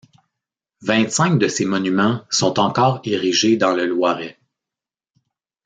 Vingt-cinq de ces monuments sont encore érigés dans le Loiret.